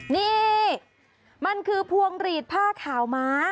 นี่มันคือพวงหลีดผ้าขาวม้า